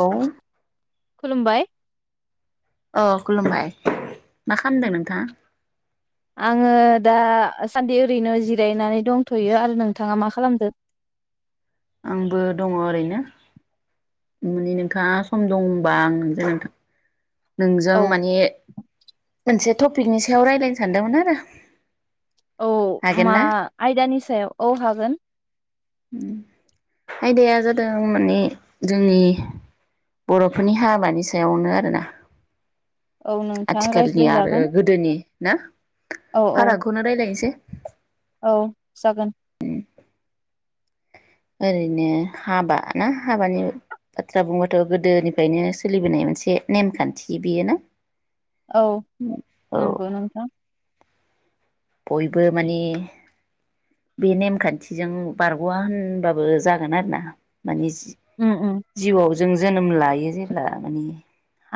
औ खुलुमबाय अ खुलुमबाय मा खामदों नोंथाङा आङो दासान्दि ओरैनो जिरायनानै दंथ'यो आरो नोंथाङा मा खालामदो आंबो दङ ओरैनो माने नोंथाङा सम दं होनबा आं नोंजों नोंथां नोंजों औ माने मोनसे टपिकनि सायाव रायलायनो सानदोंमोन आरो औ हागोन मा ना आयदानि सायाव औ हागोन। उम आयदाया जादों माने जोंनि बर'फोरनि हाबानि सायावनो आरोना औ नोंथां रायज्लाय आथिखालनि आरो गोदोनि ना औ औ फारागखौनो रायलायनि रायलायनिसै औ जागोन ओरैनो हाबा ना हाबानि बाथ्रा बुंबाथ' गोदोनिफ्रायनो सोलिबोनाय मोनसे नेमखान्थि बेयो ना। औ औ नंगौ नोंथां। बयबो माने बे नेमखान्थिजों बारग'वा होनबाबो जागोन आरोना माने उम उम जिउआव जों जोनोम लायो जेब्ला माने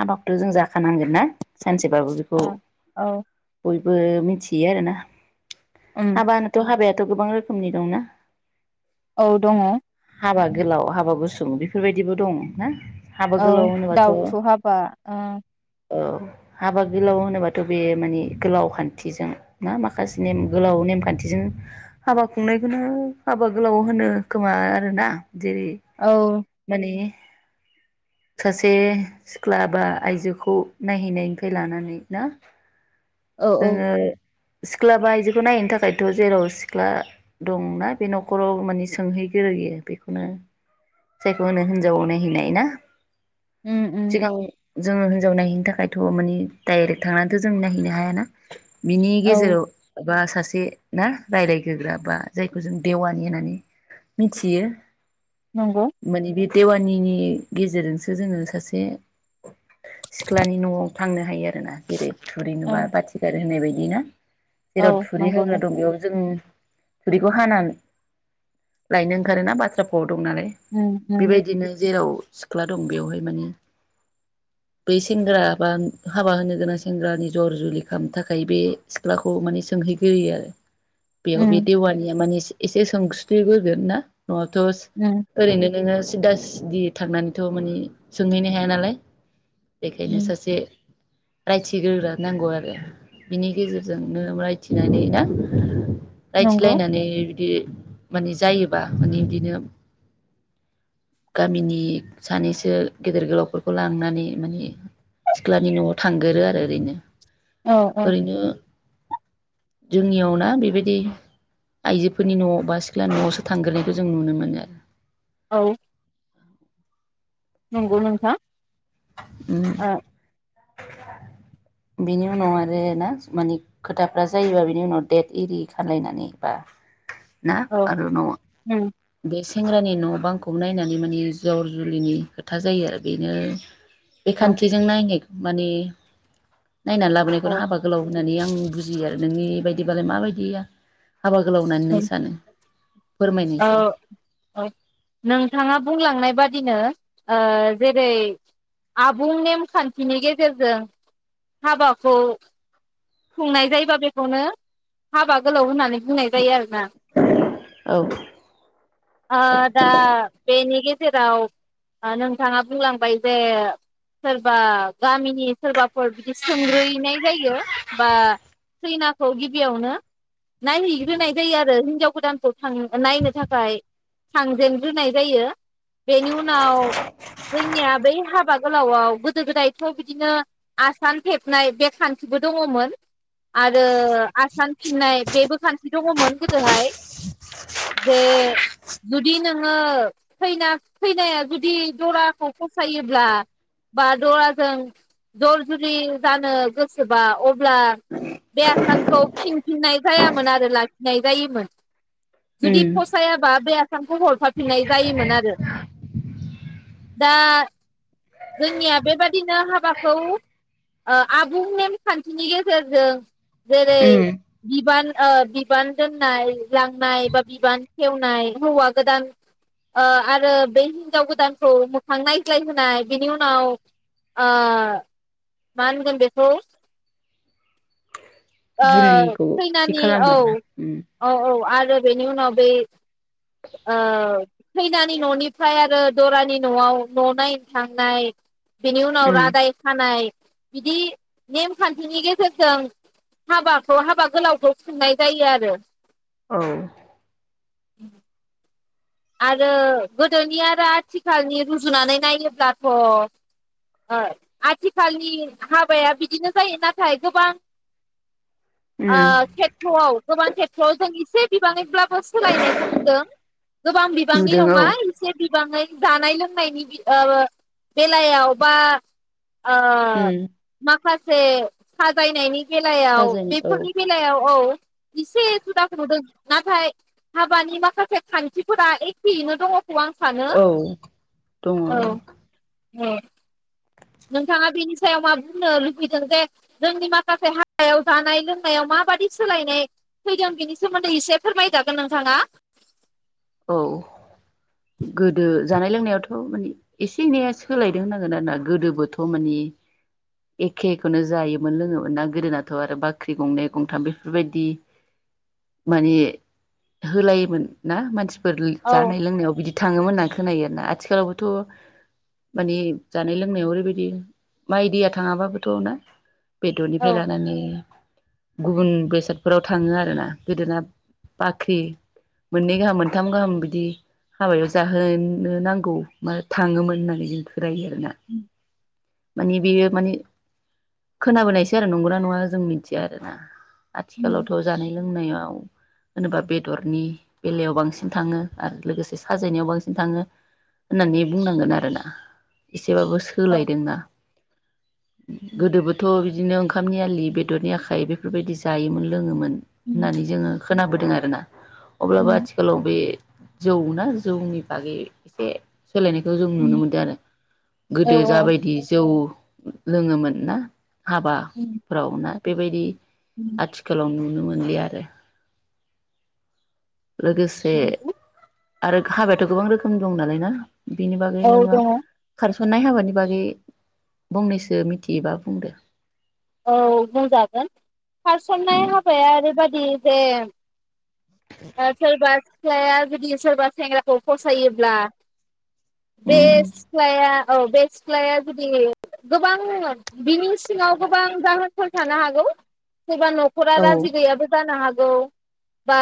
हाबाथ' जों जाखानांगोन ना? सानसेबाबो बेखौ ओ औ बयबो बो मोनथियो आरोना उम हाबानोथ' हाबाया थ' गोबां रोखोमनि दंना औ दङ हाबा गोलाव हाबा गुसुं बेफोरबायदिबो दं ना हाबा औ गोलाव होनोबाथ' दाउथु हाबा ओ औ हाबा गोलाव होनोबाथ बे माने गोलाव खान्थिजों ना माखासे नेम गोलाव नेमखान्थिजों हाबा खुंनायखौनो हाबा गोलाव होनो खोमा आरो ना? जेरै औ मानि सासे सिख्ला बा आइजोखौ नायहैनायनिफ्राय लानानै ना औ औ जोङो सिख्ला बा आइजोखौ नायैनो थाखायथ जेराव सिख्ला दंना बे नखराव माने सोंहैगोरोयो बेखौनो जायखौ होनो हिनजावाव नायहैनाय ना? उम उम सिगां जोङो हिनजाव नायहैनो थाखायथ मानि डाइरेक्ट थांनानैथ जों नायहैनो हायाना। औ गेजेराव बा सासे ना राय्लायग्रोग्रा बा जायखौ जों देवानि होननानै मिथियो। नंगौ मानि बि देवानिनि गेजेरजोंसो जोङो सासे सिख्लानि नआव थांनो हायो आरो ना। जेरै थुरि औ नुबा बाथि गारो होनाय बायदि ना? औ जेराव थुरि नंगौ हाग्रा दं नोंथां बेयाव जों थुरैखौ हानानै लायनो ओंखारोना बाथ्रा फाव दं नालाय उम उम बेबायदिनो जेराव सिख्ला दं बेवहाय माने बै सेंग्रा बा हाबा होनो गोनां सेंग्रानि जर जुलि खालामनो थाखाय बे सिख्लाखौ माने सोंहैग्रोयो आरो। बेयाव बे उम देवानिया माने एसे सोंस्लिग्रोगोन ना नआवथ उम ओरैनो नोङो सिदा सिदि थांनानैथ माने सोंहैनो हाया नालाय बेखायनो उम सासे रायथिग्रोग्रा नांगौ आरो बिनि गेजेरजों जोंनो रायथिनानै ना रायथि नंगौ लायनानानै बि माने जायोबा माने बिदिनो गामिनि सानैसो गेदेर गोलावफोरखौ लांनानै माने सिख्लानि नआव थांगोरो आरो ओरैनो औ औ ओरैनो जोंनियाव ना बेबायदि आइजोफोरनि न बा सिख्ला नआवसो थांग्रोनायखौ जों नुनो मोनो आरो औ नंगौ नोंथां उम ओ बेनि उनाव आरो ना माने खोथाफ्रा जायोबा बिनि उनाव डेट ओरि खालायनानै बा ना औ आरो न'आ उम सेंग्रानि न' बांखौ नायनानै माने जर जुलिनि खोथा जायो आरो बेनो बे औ खान्थिजों नायनाय माने नायना लाबोनायखौनो औ हाबा गोलाव होननानै आं बुजियो आरो नोंनि बायदि बिदिबालाय माबायदि गैया हाबा गोलाव होननानै नों सानो फोरमायनायसै औ नोंथाङा बुंलांनाय बादिनो ओ जेरै आबुं नेमखान्थिनि गेजेरजों हाबाखौ संनाय जायोबा बेखौनो हाबा गोलाव होननानै बुंननाय जायो आरो ना औ आ दा बेनि जेराव नोंथाङा बुंलांबाय जे सोरबा गामिनि सोरबाफोर बिदि सोंग्रोयनाय जायो बा खैनाखौ गिबियावनो नायहैग्रोनाय जायो आरो हिनजाव गोदानखौ थां नायनो थाखाय थांजेनग्रोनाय जायो बेनि उनाव जोंनिया बै हाबा गोलावआव गोदो गोदायथ' बिदिनो आसान थेबनाय बे खान्थिबो दङमोन आरो आसान फिननाय बेबो खान्थि दङमोन गोदोहाय जे जुदि नोङोैना खैनाया जुदि दराखौ फसायोब्ला बा दराजों जर जुरि जानो गोसोबा अब्ला बे आसानखौ फिनफिननाय जायामोन आरो लाखिनाय जायोमोन। जुदि उम फसायाबा बे सखौ हरफाफिननाय जायोमोन आरो दा जोंनिया बेबादिनो हाबाखौ आबुं नेमखान्थिनि गेजेरजों जेरै उम बिबान ओ बिबान दोननाय लांनाय बा बिबान खेवनाय हौवा गोदान ओ आरो बे हिनजाव गोदानखौ मोखां नायज्लाय होनाय बिनि उनाव ओ मा होनगोन बेखौ जुलिखौ थि खैनानि औ खालामो आरोना उम औ औ आरो आरो बेनि उनाव बे ओ खैनानि न'निफ्राय आरो दरानि न'आव न' नायनो थांनाय बिनि उनाव उम रादाय खानाय बिदि नेमखान्थिनि गेजेरजों हाबाखौ हाबा गोलावखौ खुंनाय जायो आरो। औ उम आरो गोदोनि आरो आथिखालनि रुजुनानै नायोब्लाथ' ओ आथिखालनि हाबाया बिदिनो जायो नाथाय गोबां ओ उम खेथ्रआव गोबां खेथ्रआव जों एसे बिबाङैब्लाबो सोलायनायखौ नुदों। गोबां बिबांनि नुदों औ नङा एसे बिबाङै जानाय लोंनायनि ओ बेलायाव बा आ उम मा माखासे साजायनायनि बेलायाव साजायनो औ बेफोरनि बेलायाव औ इसे खुदाखो नुदों नाथाय हाबानि माखासे खा थि फोरा एखेयैनो दङ औ दङ। ओ नोंथाङा बेनि सायाव मा बुंनो लुबैदों जे जोंनि माखासे हाबायाव जानाय लोंनायाव माबादि सोलायनाय फैदों बेनि सोमोन्दै एसे फोरमायजागोन नोंथाङा। औ गोदो जानाय लोंनायावथ माने एसे एनैया सोलायदों होननांगोन आरो ना गोदोबोथ माने एखेखौनो जायोमोन लोङोमोन ना गोदोनाथ आरो बाख्रि गंनै गंथाम बेफोरबायदि माने होलायोमोन ना मानसि फोर औ जानाय लोंनायाव बिदि थाङोमोन होनना खोनायो आरो ना आथिखालावबोथ माने जानाय लोंनायाव ओरैबायदि माइ दैया थाङाबाबोथ' ना बेदरनिफ्राय औ लानानै गुबुन बेसादफोराव थाङो आरो ना गोदोना बाख्रि मोननै गाहाम मोनथाम गाहाम बिदि हाबायाव जाहोनो नांगौ मा थाङोमोन होननानै जों फोथायो। दोना माने बेयो माने खोनाबोनायसो आरो नंगौना नङा जों मिथिया आरो ना। आथिखालावथ' जानाय लोंनायाव होनोबा बेदरनि बेलायाव बांसिन थाङो आरो लोगोसे साजायनायाव बांसिन थाङो। होननानै बुंनांगोन आरो ना। एसेबाबो औ सोलायदों ना। गोदोबोथ' बिदिनो ओंखामनि आलि बेदरनि आखाइ बेफोरबायदि जायोमोन लोङोमोन। होननानै जोङो खोनाबोदों आरो ना। अब्लाबो आथिखालाव बे जौ ना जौनि बागै एसे सोलायनायखौ जों नुनो मोनदों आरो गोदो जाबायदि औ लोङोमोन ना। हाबाफोराव‌ ना? बेबायदि आथिखालाव नुमोनलिया आरो लोगोसे औ आरो हाबायाथ' गोबां रोखोम दं नालाय ना? बिनि बागै औ नोङो खार दङ खारसननाय हाबानि बागै फंनैसो मिथियोबा बुंदो। औ बुंजागोन उम बि जेम आसल बास फिसाया जुदि सोरबा सेंग्राखौ फसायोब्ला बे उम सिख्लाया औ बे सिख्लाया जुदि गोबां बिनि सिङाव गोबां जाहोनफोर थानो हागौ। सोरबा न'खरा औ राजि गैयाबो जानो हा ओ बा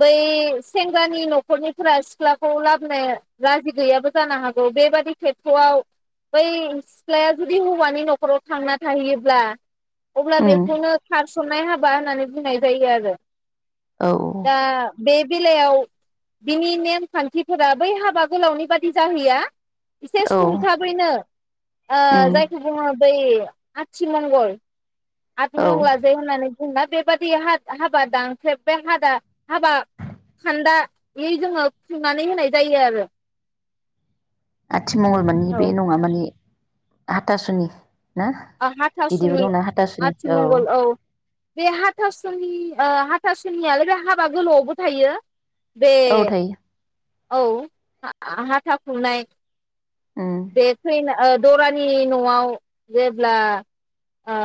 बै सेंग्रानि न'खरनिफोरा सिख्लाखौ लाबोनो राजि गैयाबो जानो हागौ बेबादि खेथ्रआव बै सिख्लाया जुदि हौवानि न'खराव थांना थाहैयोब्ला। अब्ला उम बेखौनो खारसननाय हाबाय बा होननानै बुंनाय जायो आरो। औ दा बे बेलायाव बिनि नेम खान्थिफोरा बै हाबा गोलावनि बादि जाहैया एसे औ सुंथाबैनो उम जायखौ ओ बुङो बै आथि मंगल आथ औ मंला जे होननानै जोंना बेबादि हा -हाबा दानख्रेब बे हा हाबा खान्दायै जोङो खुंनानै होनाय जायो आरो। आथिमंगल माने बे नङा माने हाथासुनि ना ओ बिदिबो हाथासुनि दंना हाथासुनि आथिमंगल औ बे हाथासुनि ओ हाथासुनियालाय बे हाबा गोलावआवबो थायो। बे औ थायो औ हा- हाथा खुरनाय उम बेखैनो ओ दरानि न'आव जेब्ला ओ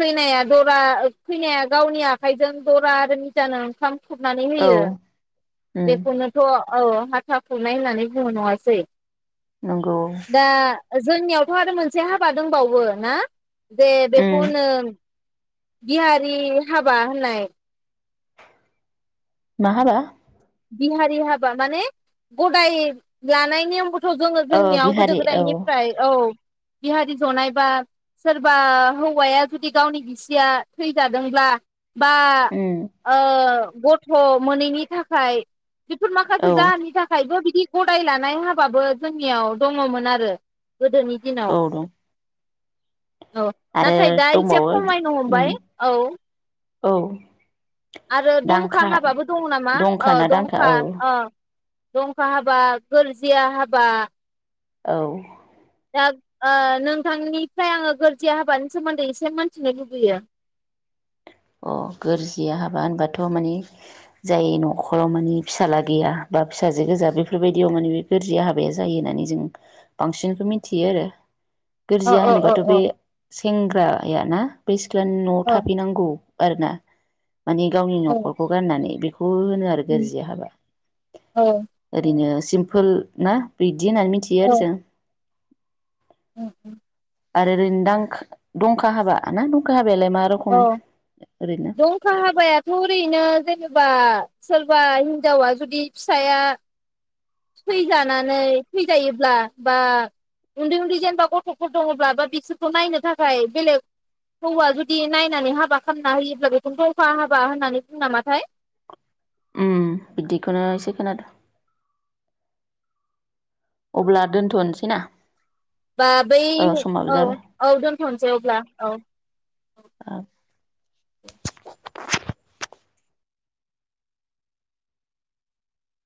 खैनाया दरा खैनाया गावनि आखाइजों दरा आरो निजानो ओंखाम खुरनानै औ होयो उम बेखौनोथ' औ हाथा खुरनाय होननानै बुंङो नङासै नंगौ दा जोंनियावथ' आरो मोनसे था दंबावो ना? जे उम बेखौहोनो बिहारि हाबा होननाय। मा हाबा? बिहारि हाबा माने गदाय लानाय नेमखौ थ' जोङो औ जोंनियाव गोदो बिहारि औ गोदायनिफ्राय औ बिहारि जनाय बा सोरबा हौवाया जुदि गावनि बिसिया थैजादोंब्ला बा उम ओ गथ मोनैनि थाखाय फाय बेफोर औ माखासे जाहोननि थाखायबो बि गदाय लानाय हाबाबो जोंनियाव दङमोन आरो। गोदोनि औ दिनाव दं औ आरो नाथाय दा एसे दंबावो खमायनो उम हमबाय। औ औ आरो दंखा दांखा हाबाबो दङ नामा दंखा औ ना दांखा दंखा। औ दंखा हाबा गोरजिया हाबा। औ दा ओ नोंथांनिफ्राय आङो गोरजिया हाबानि सोमोन्दै एसे मिथिनो लुबैयो। अ गोरजिया हाबा होनबाथ माने जाय नखराव माने फिसाजला गैया बा फिसाजो गोजा बेफोरबायदियाव माने बे गोरजिया हाबाया जायो होननानै जों बांसिनखौ मिथियो आरो। औ गोरजिया औ औ होनोबाथ' बे औ सें ग्राया ना सिख्लानि न'आव औ थाफैनांगौ। आरो ना। माने गावनि औ नखरखौ गारनानै बे खौ होनो आरो गोरजिया हाबा ओरैनो सिमपोल ना बि बिदि होननानै मिथियो आरो जों उम उम आरो ओरैनो दां दंखा हाबा ना दंखा हाब बेलाय मा औ रखम ओरैनो दंखा हाबायाथ ओरैनो जेनेबा सोरबा हिनजावा जुदि फिसाया थैजानानै थैजायोब्ला बा उन्दै उन्दै जेनेबा गथफोर दङब्ला बा बिसोरखौ नायनो थाखाय बेलेग हौवा जुदि नायनानै हाबा खालामना होयो अब्ला बेखौनो दंखा हाबा होननानै बुंयो नामाथाय उम बिदिखौनो एसे खोनादों अब्ला दोनथनोसै ना बा बै औ समाबो औ जाबाय औ दोनथनोसै अब्ला औ औ